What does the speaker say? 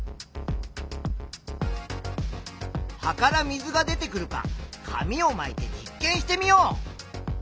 葉から水が出てくるか紙をまいて実験してみよう。